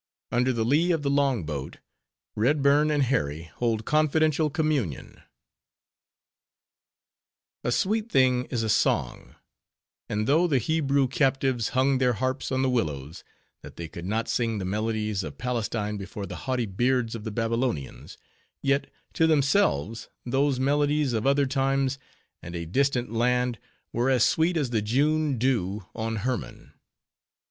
UNDER THE LEE OF THE LONG BOAT, REDBURN AND HARRY HOLD CONFIDENTIAL COMMUNION A sweet thing is a song; and though the Hebrew captives hung their harps on the willows, that they could not sing the melodies of Palestine before the haughty beards of the Babylonians; yet, to themselves, those melodies of other times and a distant land were as sweet as the June dew on Hermon.